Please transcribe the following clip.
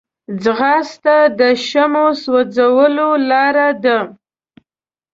ځغاسته د شحمو سوځولو لاره ده